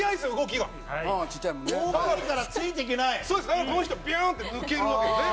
だから、この人はビュン！って抜けるわけですね。